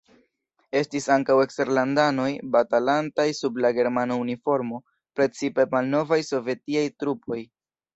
Estis ankaŭ eksterlandanoj batalantaj sub la germana uniformo, precipe malnovaj sovetiaj trupoj.